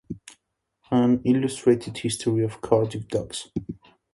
An Illustrated History of Cardiff Docks.